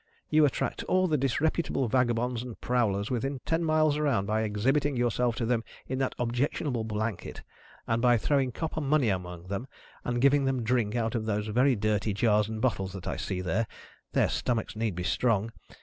You attract all the disreputable vagabonds and prowlers within ten miles around, by exhibiting yourself to them in that objectionable blanket, and by throwing copper money among them, and giving them drink out of those very dirty jars and bottles that I see in there (their stomachs need be strong!)